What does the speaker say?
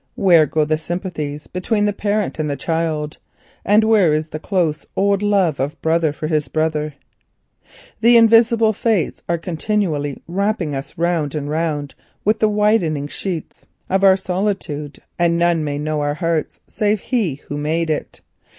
Where go the sympathies between the parent and the child, and where is the close old love of brother for his brother? The invisible fates are continually wrapping us round and round with the winding sheets of our solitude, and none may know all our heart save He who made it.